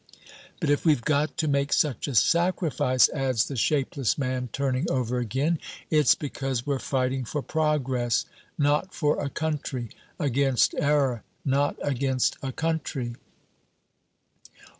But if we've got to make such a sacrifice," adds the shapeless man, turning over again, "it's because we're fighting for progress, not for a country; against error, not against a country."